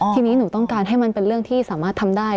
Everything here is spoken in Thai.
ทีนี้หนูต้องการให้มันเป็นเรื่องที่สามารถทำได้